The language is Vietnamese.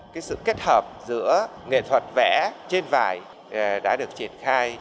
cái sự kết hợp giữa nghệ thuật vẽ trên vải đã được triển khai